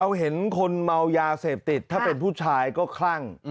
เห็นคนเมายาเสพติดถ้าเป็นผู้ชายก็คลั่ง